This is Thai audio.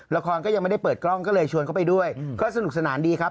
ละครก็ยังไม่ได้เปิดกล้องก็เลยชวนเขาไปด้วยก็สนุกสนานดีครับ